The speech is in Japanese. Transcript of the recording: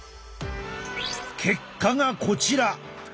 結果がこちら。